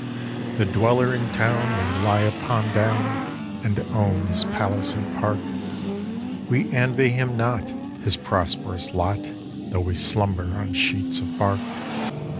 The dweller in town may lie upon down, And own his palace and park: We envy him not his prosperous lot, Though we slumber on sheets of bark.